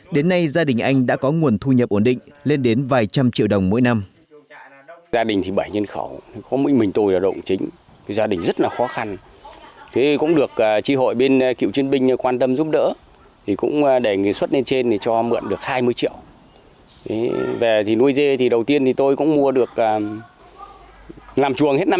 đến nay gia đình anh đã có nguồn thu nhập ổn định lên đến vài trăm triệu đồng mỗi năm